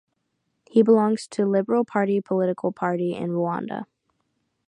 He belongs to Liberal Party political party in Rwanda.